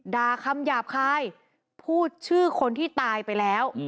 ด่าคำหยาบคายพูดชื่อคนที่ตายไปแล้ว